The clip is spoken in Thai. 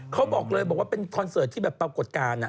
เขาบอกเลยบอกว่าเป็นคอนเสิร์ตที่แบบปรากฏการณ์